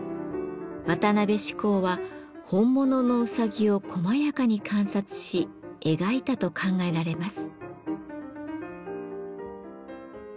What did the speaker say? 渡辺始興は本物のうさぎをこまやかに観察し描いたと考えられます。